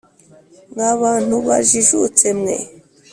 mwa bantu bajijutse mwe,